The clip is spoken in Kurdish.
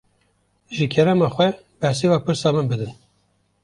Ji kerema xwe, bersiva pirsa min bidin